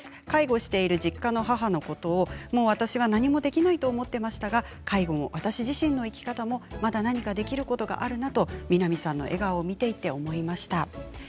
介護をしている実家の母のことを私は何もできないと思っていましたが、介護も私自身の生き方もまだ何かできることがあるなと南さんの笑顔を見ていて思いました。